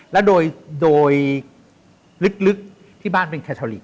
แล้วโดยลึกที่บ้านเป็นแคทอลิก